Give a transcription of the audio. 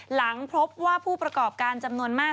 หลังพบว่าผู้ประกอบการจำนวนมาก